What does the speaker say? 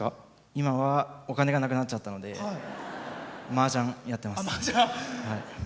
今はお金がなくなったのでマージャンやってます。